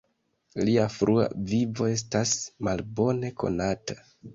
Lia frua vivo estas malbone konata.